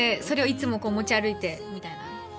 それをいつも持ち歩いてみたいな？